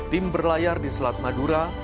tim berlayar di selat madura